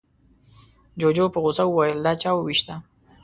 جوجو په غوسه وويل، دا چا ووېشته؟